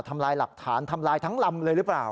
ทำลายหลักฐานทำลายทั้งลำเลยหรือเปล่า